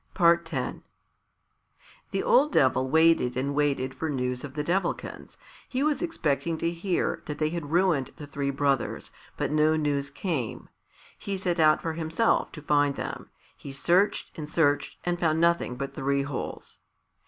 X The old Devil waited and waited for news of the Devilkins. He was expecting to hear that they had ruined the three brothers, but no news came. He set out himself to find them. He searched and searched, and found nothing but three holes.